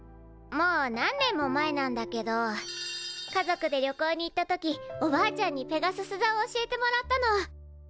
もう何年も前なんだけど家族で旅行に行った時おばあちゃんにペガスス座を教えてもらったの。